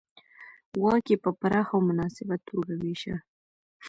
واک یې په پراخه او مناسبه توګه وېشه